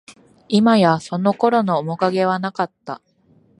いまや、その頃の面影はなかった